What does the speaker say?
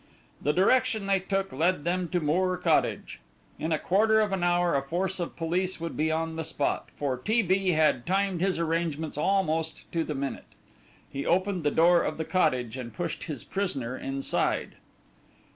The direction they took led them to Moor Cottage. In a quarter of an hour a force of police would be on the spot, for T. B. had timed his arrangements almost to the minute. He opened the door of the cottage and pushed his prisoner inside.